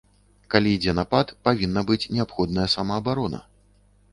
Калі ідзе напад, павінна быць неабходная самаабарона.